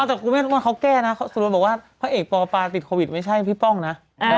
แต่คุณแม่วันเขาแก้นะสมมุติบอกว่าพระเอกปปาติดโควิดไม่ใช่พี่ป้องนะ